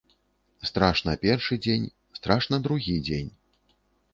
Страшна першы дзень, страшна другі дзень.